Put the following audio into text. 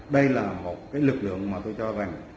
đây là một lực lượng mà tôi cho rằng